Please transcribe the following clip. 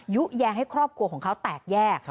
ยุแย้งให้ครอบครัวของเขาแตกแยก